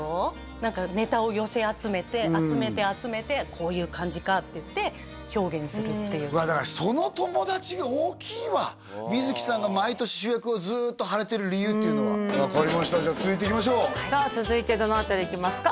何かネタを寄せ集めて集めて集めてこういう感じかっていって表現するっていううわだから観月さんが毎年主役をずっと張れてる理由っていうのは分かりましたじゃあ続いていきましょうさあ続いてどの辺りいきますか？